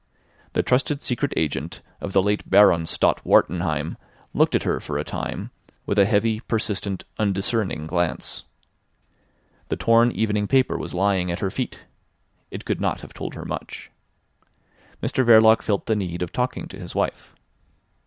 The trusted secret agent of the late Baron Stott Wartenheim looked at her for a time with a heavy, persistent, undiscerning glance. The torn evening paper was lying at her feet. It could not have told her much. Mr Verloc felt the need of talking to his wife.